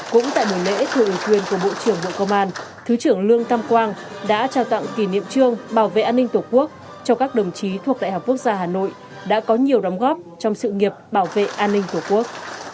cũng tại buổi lễ thừa ủy quyền của bộ trưởng bộ công an thứ trưởng lương tam quang đã trao tặng kỷ niệm trương bảo vệ an ninh tổ quốc cho các đồng chí thuộc đại học quốc gia hà nội đã có nhiều đóng góp trong sự nghiệp bảo vệ an ninh tổ quốc